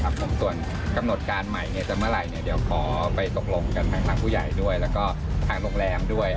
ได้มายก็จะพาท่านครับตอนกำหนดการใหม่ในเธอเมื่อไหร่ก็ขอไปกับผู้ใหญ่กันแล้วก็ทางโรงแรมด้วย